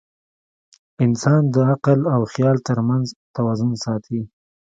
انسان د عقل او خیال تر منځ توازن ساتي.